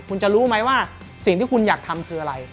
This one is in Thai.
คุณจะรู้ไหมว่าสิ่งที่คุณอยากทำคืออะไร